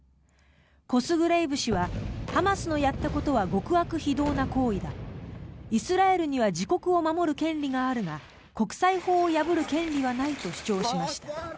コスグレイブ氏はハマスのやったことは極悪非道な行為だイスラエルには自国を守る権利があるが国際法を破る権利はないと主張しました。